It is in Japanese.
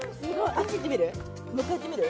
あっち行ってみる？